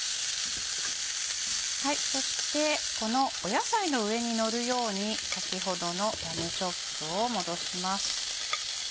そしてこの野菜の上にのるように先ほどのラムチョップを戻します。